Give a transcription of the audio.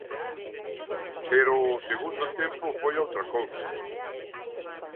Pero o segundo tempo foi outra cousa.